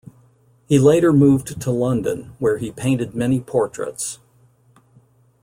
He later moved to London, where he painted many portraits.